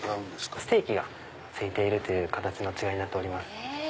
ステーキが付いているという形の違いになっております。